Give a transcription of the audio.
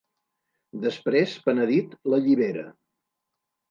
Després, penedit, l'allibera.